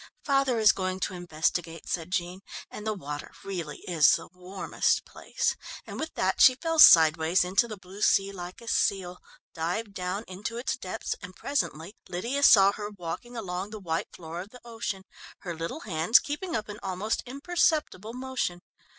"Father is going to investigate," said Jean, "and the water really is the warmest place," and with that she fell sideways into the blue sea like a seal, dived down into its depths, and presently Lydia saw her walking along the white floor of the ocean, her little hands keeping up an almost imperceptible motion.